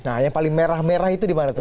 nah yang paling merah merah itu dimana tuh pak